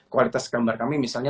kualitas gambar kami misalnya